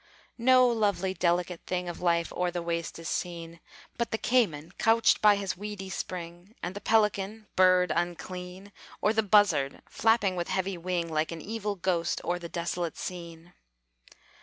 No lovely, delicate thing Of life o'er the waste is seen But the cayman couched by his weedy spring, And the pelican, bird unclean, Or the buzzard, flapping with heavy wing, Like an evil ghost o'er the desolate scene.